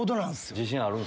自信ある？